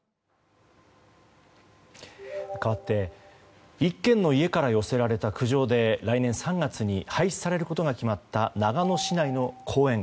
かわって１軒の家から寄せられた苦情で来年３月に廃止されることが決まった長野市内の公園。